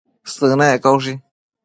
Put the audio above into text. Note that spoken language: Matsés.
Sënec caushi